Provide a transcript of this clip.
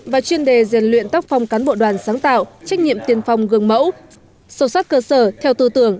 và chuyên đề diện luyện tác phong cán bộ đoàn sáng tạo trách nhiệm tiên phong gương mẫu sâu sát cơ sở theo tư tưởng